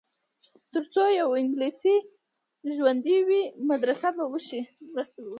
تر څو یو انګلیس ژوندی وي مرسته به وشي.